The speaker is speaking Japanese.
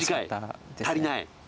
足りない。